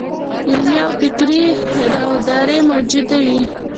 علمي او فکري راوداري موجوده وي.